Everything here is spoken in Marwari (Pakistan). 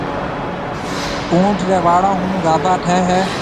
اُونٺ ريَ واݪون هون گاڀا ٺهيَ هيَ۔